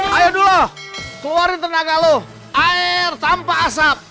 ayo dulu keluarkan tak lalu air tanpa asap